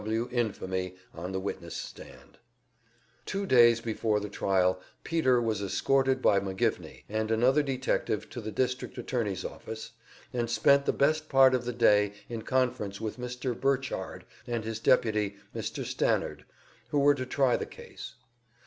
W. W. infamy on the witness stand. Two days before the trial Peter was escorted by McGivney and another detective to the district attorney's office, and spent the best part of the day in conference with Mr. Burchard and his deputy, Mr. Stannard, who were to try the case.